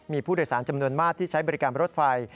มีผู้โดยสารจำนวนมากที่ใช้บริการรถไฟ